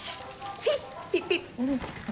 ピッピピッ。